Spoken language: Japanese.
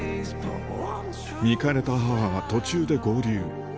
見かねた母が途中で合流。